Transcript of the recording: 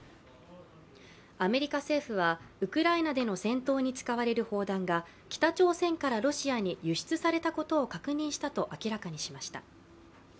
アメリカ政府はウクライナでの戦闘に使われる砲弾が北朝鮮からロシアに輸出されたことを確認したと明らかにしました。